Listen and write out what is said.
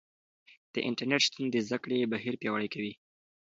د انټرنیټ شتون د زده کړې بهیر پیاوړی کوي.